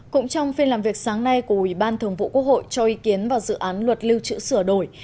cũng trong phiên làm việc sáng nay của ủy ban thường vụ quốc hội cho ý kiến vào dự án luật lưu trữ sửa đổi